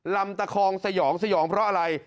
ลำตะครสยองเพราะอะไร